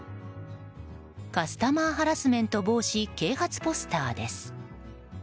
カスタマーハラスメント防止啓発ポスターです。